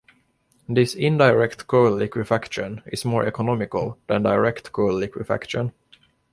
This indirect coal liquefaction is more economical than direct coal liquefaction.